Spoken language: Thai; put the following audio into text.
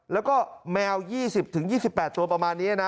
แล้วก็แมว๒๐๒๘ตัวประมาณนี้นะ